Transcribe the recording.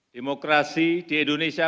demokrasi di dunia ini